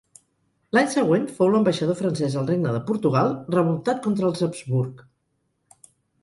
L'any següent fou l'ambaixador francès al Regne de Portugal, revoltat contra els Habsburg.